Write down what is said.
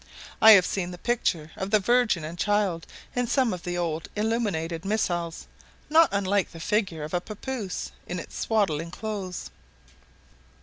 I have seen the picture of the Virgin and Child in some of the old illuminated missals, not unlike the figure of a papouse in its swaddling clothes.